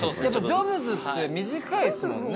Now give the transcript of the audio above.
ジョブズって短いですもんね。